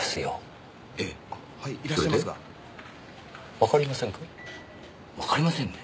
わかりませんね。